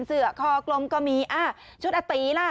เสือคอกลมก็มีชุดอาตีล่ะ